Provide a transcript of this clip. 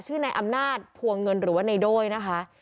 ในอำนาจพวงเงินหรือว่าในโดยนะคะ